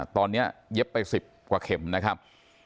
ตอนนี้เย็บไป๑๐กว่าเข็มนะครับ